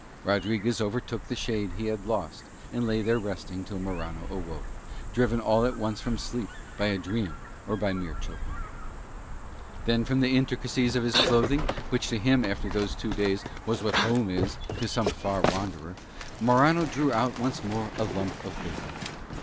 Rodriguez overtook the shade he had lost and lay there resting until Morano awoke, driven all at once from sleep by a dream or by mere choking. Then from the intricacies of his clothing, which to him after those two days was what home is to some far wanderer, Morano drew out once more a lump of bacon.